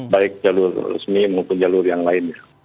baik jalur resmi maupun jalur yang lainnya